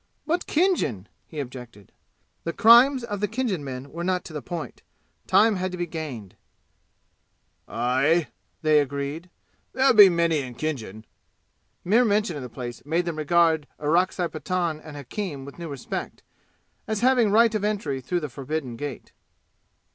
"But Khinjan," he objected. The crimes of the Khinjan men were not to the point. Time had to be gained. "Aye," they agreed. "There be many in Khinjan!" Mere mention of the place made them regard Orakzai Pathan and hakim with new respect, as having right of entry through the forbidden gate.